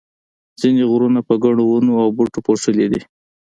ځینې غرونه په ګڼو ونو او بوټو پوښلي دي.